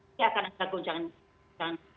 ini akan ada goncangan